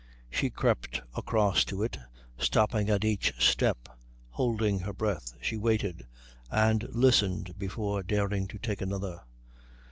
She crept across to it, stopping at each step. Holding her breath she waited and listened before daring to take another.